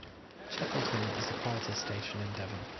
Chapelton is the quietest station in Devon.